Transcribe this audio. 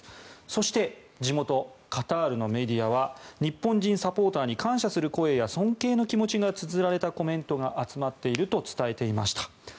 そして地元カタールのメディアは日本人サポーターに感謝する声が尊敬する気持ちがつづられたコメントが集まっていると伝えていました。